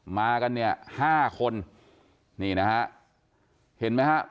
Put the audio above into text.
มากันเนี่ยห้าคนนี่นะฮะเห็นไหมฮะ